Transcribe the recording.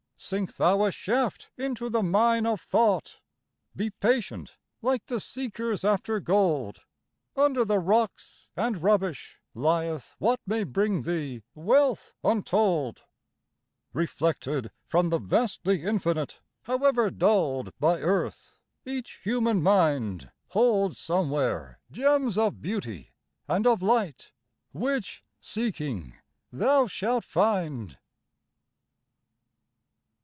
Sink thou a shaft into the mine of thought; Be patient, like the seekers after gold; Under the rocks and rubbish lieth what May bring thee wealth untold. Reflected from the vastly Infinite, However dulled by earth, each human mind Holds somewhere gems of beauty and of light Which, seeking, thou shalt find.